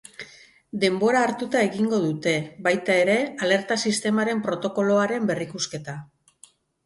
Denbora hartuta egingo dute, baita ere, alerta sistemaren protokoloaren berrikusketa.